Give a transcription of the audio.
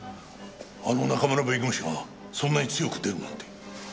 あの中村弁護士がそんなに強く出るなんて。